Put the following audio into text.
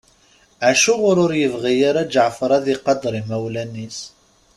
Acuɣer ur yibɣi ara Ǧeɛfer ad iqadeṛ imawlan-is?